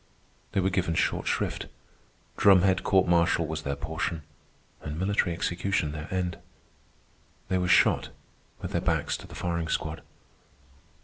They were given short shrift. Drumhead court martial was their portion, and military execution their end. They were shot with their backs to the firing squad.